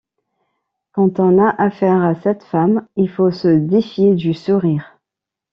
Quand on a affaire à cette femme, il faut se défier du sourire.